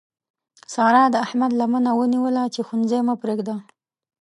سارا د احمد لمنه ونیوله چې ښوونځی مه پرېږده.